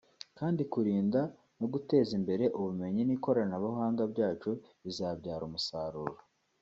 kandi kurinda no guteza imbere ubumenyi n’ikoranabuhanga byacu bizabyara umusaruro